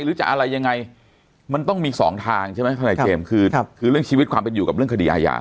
หรือจะอะไรยังไงมันต้องมีสองทางใช่ไหมทนายเจมส์คือเรื่องชีวิตความเป็นอยู่กับเรื่องคดีอาญา